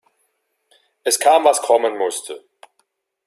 Es kam, was kommen musste.